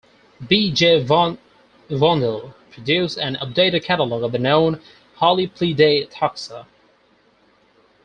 B. J. van Vondel produced an updated catalogue of the known Haliplidae taxa.